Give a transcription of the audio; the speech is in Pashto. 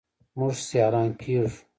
موږ سیالان کیږو.